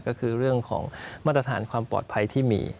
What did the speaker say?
ก็คือเรื่องของมาตรฐานความปลอดภัยที่มี